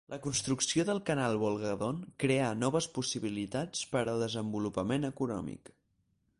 La construcció del canal Volga-Don creà noves possibilitats per al desenvolupament econòmic.